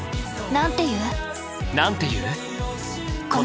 なんて言う？